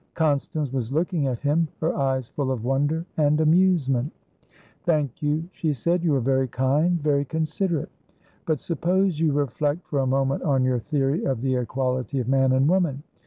Constance was looking at him, her eyes full of wonder and amusement. "Thank you," she said. "You are very kind, very considerate. But suppose you reflect for a moment on your theory of the equality of man and woman.